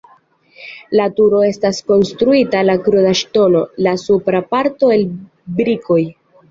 La turo estas konstruita el kruda ŝtono, la supra parto el brikoj.